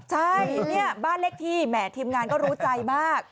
ใช่เนี่ยบ้านเลขที่แหมทีมงานก็รู้ใจมาก